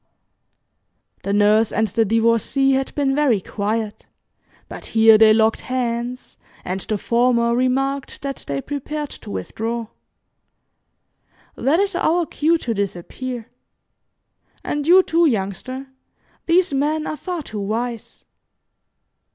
'" The Nurse and Divorcée had been very quiet, but here they locked hands, and the former remarked that they prepared to withdraw: "That is our cue to disappear and you, too, Youngster. These men are far too wise."